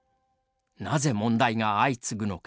なぜ問題が相次ぐのか。